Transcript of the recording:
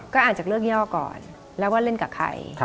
ก็อ่านจากเรื่องย่อก่อนแล้วว่าเล่นกับใคร